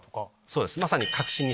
そうですまさに。